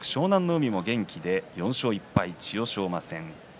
海も元気で４勝１敗、千代翔馬戦。